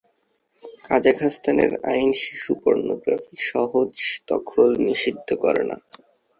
কাজাখস্তানের আইন শিশু পর্নোগ্রাফির সহজ দখল নিষিদ্ধ করে না।